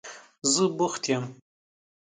زه بوخت یم.